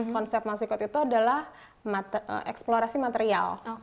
konsep masikot itu adalah eksplorasi material